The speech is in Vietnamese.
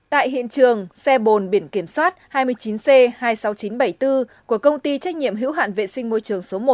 tại hiện trường xe bồn biển kiểm soát hai mươi chín c hai mươi sáu nghìn chín trăm bảy mươi bốn của công ty trách nhiệm hữu hạn vệ sinh môi trường số một